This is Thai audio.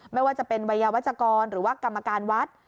ไม่ว่าจะเป็นวัยวัชกรหรือว่ากรรมการวัด